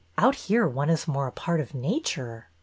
Out here one is more a part of nature."